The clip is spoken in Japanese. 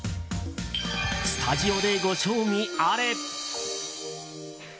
スタジオでご賞味あれ！